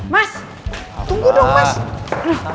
mas tunggu dong mas